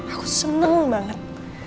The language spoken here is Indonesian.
aku seneng banget